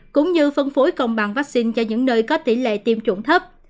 cũng như phân phối công bằng vaccine cho những nơi có tỷ lệ tiêm chủng thấp